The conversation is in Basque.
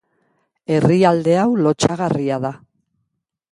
Herrialde hau lotsagarria da.